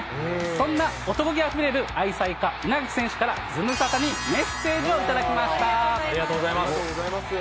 そんな男気あふれる愛妻家、稲垣選手からズムサタにメッセーありがとうございます。